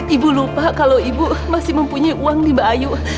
ibu lupa kalau ibu masih mempunyai uang di bayu